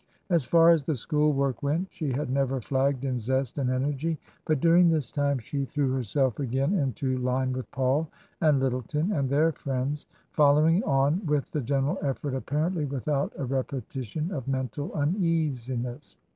As fer as the school work went she had never flagged in zest and energy, but during this time she threw herself again into line with Paul and Lyttleton and their friends, fol lowing on with the general effort apparently without a repetition of mental uneasiness.